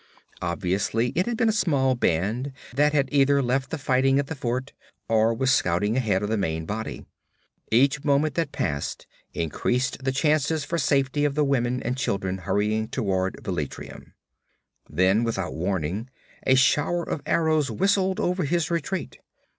Obviously it had been a small band that had either left the fighting at the fort, or was scouting ahead of the main body. Each moment that passed increased the chances for safety of the women and children hurrying toward Velitrium. Then without warning a shower of arrows whistled over his retreat.